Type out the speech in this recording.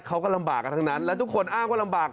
เขาก็ลำบากกันทั้งนั้นและทุกคนอ้างว่าลำบาก